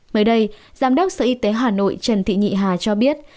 mới đây giám đốc sở y tế hà nội trần thị nhị hà cho biết